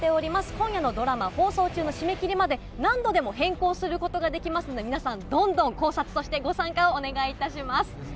今夜のドラマ放送中の締め切りまで何度でも変更することができますので、皆さん、どんどん考察、そしてご参加をお願いいたします。